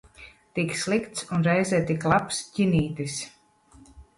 Tik slikts un reizē tik labs ķinītis.